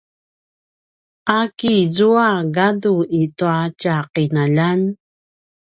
a kizua gadu i tua tja qinaljan?